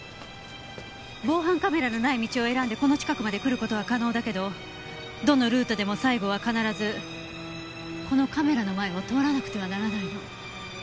防犯カメラのない道を選んでこの近くまで来る事は可能だけどどのルートでも最後は必ずこのカメラの前を通らなくてはならないの。